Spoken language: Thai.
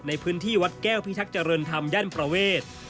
ในพื้นที่วัดแก้วพิทักษ์เจริญธรรมย่านประเวท